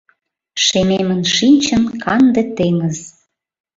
Шемемын шинчын канде теҥыз